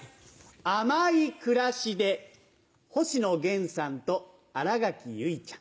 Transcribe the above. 「甘い」「暮らし」で星野源さんと新垣結衣ちゃん。